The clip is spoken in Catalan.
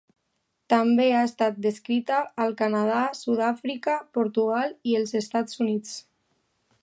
També ha estat descrita al Canadà, Sud-àfrica, Portugal i els Estats Units.